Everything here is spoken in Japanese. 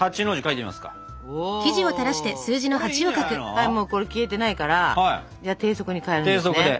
はいこれもう消えてないからじゃあ低速に変えるんですね。